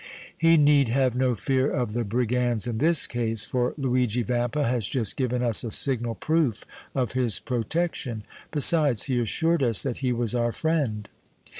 "He need have no fear of the brigands in this case, for Luigi Vampa has just given us a signal proof of his protection. Besides, he assured us that he was our friend."